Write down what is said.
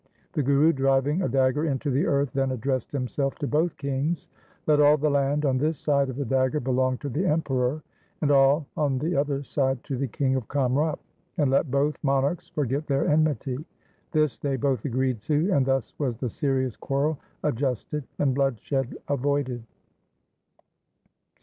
The Guru driving a dagger into the earth then addressed himself to both kings :' Let all the land on this side of the dagger belong to the Emperor, and all on the other side to the king of Kamrup, and let both monarchs forget their enmity.' This they both agreed to, and thus was the serious quarrel adjusted and bloodshed avoided.